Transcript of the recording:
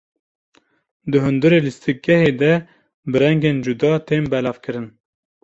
Di hundirê lîstikgehê de bi rengên cuda tên belavkirin.